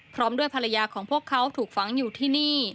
พร้อมด้วยภรรยาของพวกเขาถูกฝังอยู่ที่นี่